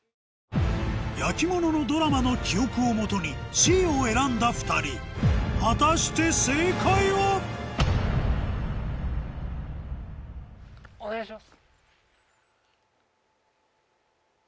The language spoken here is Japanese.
焼き物のドラマの記憶をもとにＣを選んだ２人果たして正解は⁉お願いします。